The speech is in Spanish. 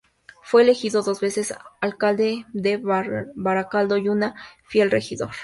Fue elegido dos veces alcalde de Baracaldo, y una "fiel regidor".